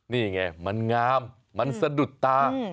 นี่ไงมันงามมันสะดุดตา